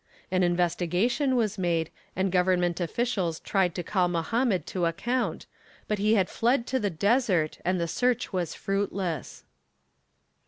An investigation was made and government officials tried to call Mohammed to account, but he had fled to the desert and the search was fruitless.